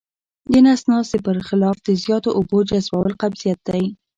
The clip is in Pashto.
د نس ناستي پر خلاف د زیاتو اوبو جذبول قبضیت دی.